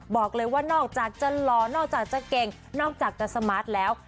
บอกเลยว่านอกจากจะหล่อนอกจากจะเก่งนอกจากจะสมาร์ทแล้ว